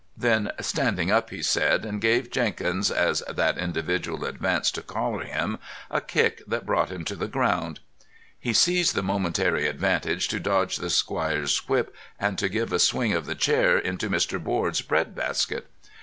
Then, "Standing up," he said, and gave Jenkins, as that individual advanced to collar him, a kick that brought him to the ground. He seized the momentary advantage to dodge the squire's whip and to give a swing of the chair into Mr. Board's bread basket.